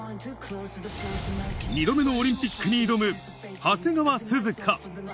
２度目のオリンピックに挑む長谷川涼香。